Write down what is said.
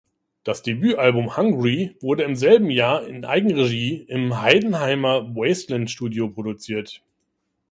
Das Debütalbum ""Hungry"" wurde im selben Jahr in Eigenregie im Heidenheimer "Wasteland"-Studio produziert.